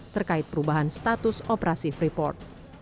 terkait perubahan status operasi freeport